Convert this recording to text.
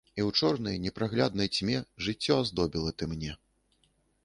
І ў чорнай, непрагляднай цьме жыццё аздобіла ты мне.